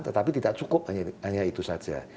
tetapi tidak cukup hanya itu saja